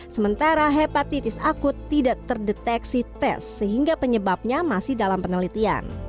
sementara hepatitis akut tidak terdeteksi tes sehingga penyebabnya masih dalam penelitian